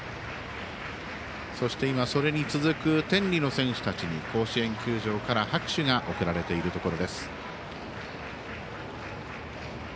そして、それに続く天理の選手たちに甲子園球場から拍手が送られているところです。